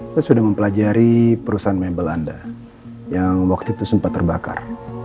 saya sudah mempelajari perusahaan mebel anda yang waktu itu sempat terbakar